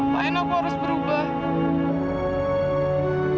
ngapain aku harus berubah